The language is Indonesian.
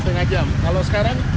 setengah jam kalau sekarang